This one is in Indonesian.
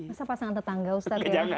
masa pasangan tetangga ustadz ya